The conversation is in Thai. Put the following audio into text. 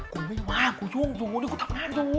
กูไม่ว่างกูย่วงอยู่นี่กูทำงานอยู่